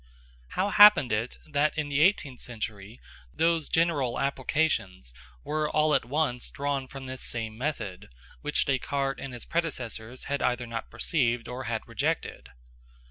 How happened it that in the eighteenth century those general applications were all at once drawn from this same method, which Descartes and his predecessors had either not perceived or had rejected?